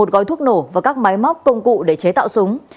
một gói thuốc nổ và các máy móc công cụ để chế tạo súng